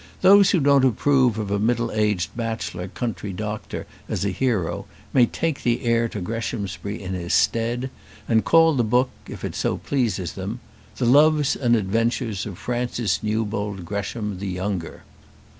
Those who don't approve of a middle aged bachelor country doctor as a hero, may take the heir to Greshamsbury in his stead, and call the book, if it so please them, "The Loves and Adventures of Francis Newbold Gresham the Younger."